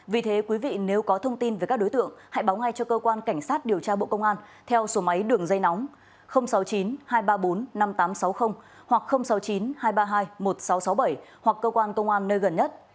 vì thế quý vị nếu có thông tin về các đối tượng hãy báo ngay cho cơ quan cảnh sát điều tra bộ công an theo số máy đường dây nóng sáu mươi chín hai trăm ba mươi bốn năm nghìn tám trăm sáu mươi hoặc sáu mươi chín hai trăm ba mươi hai một nghìn sáu trăm sáu mươi bảy hoặc cơ quan công an nơi gần nhất